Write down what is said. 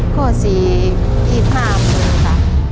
ตัวเลือกที่๔๒๕อำเภอค่ะ